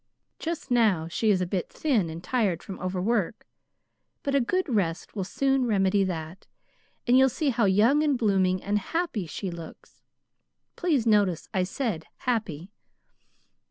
Just now she is a bit thin and tired from overwork, but a good rest will soon remedy that, and you'll see how young and blooming and happy she looks. Please notice I said HAPPY.